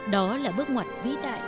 đó là bước ngoặt vĩ đại